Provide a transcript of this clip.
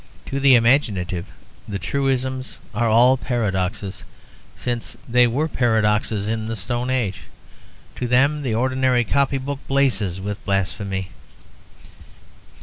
To the imaginative the truisms are all paradoxes, since they were paradoxes in the Stone Age; to them the ordinary copy book blazes with blasphemy.